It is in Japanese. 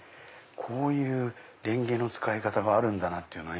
こういうれんげの使い方があるんだなって